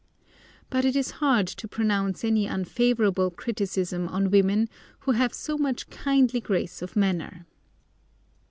But it is hard to pronounce any unfavourable criticism on women who have so much kindly grace of manner.